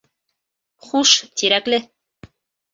Хуш, Тирәкле!